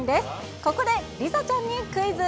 ここで梨紗ちゃんにクイズ。